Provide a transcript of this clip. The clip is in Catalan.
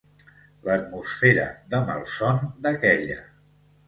L'atmosfera de malson d'aquella